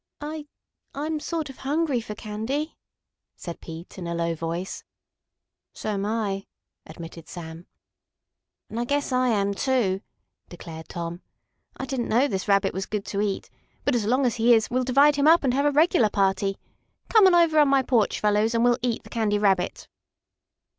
"I I'm sort of hungry for candy," said Pete, in a low voice. "So'm I," admitted Sam. "And I guess I am, too," declared Tom. "I didn't know this Rabbit was good to eat. But, as long as he is, we'll divide him up and have a regular party. Come on over on my porch, fellows, and we'll eat the Candy Rabbit!"